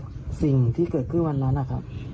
สิ่งที่เกิดขึ้นวันนั้นนะครับ